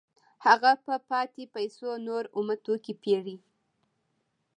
هغه په پاتې پیسو نور اومه توکي پېري